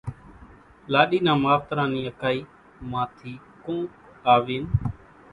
لاڏي نان ماوتران نِي اڪائي مان ٿي ڪونڪ آوين،